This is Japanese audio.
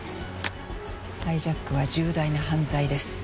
ハイジャックは重大な犯罪です。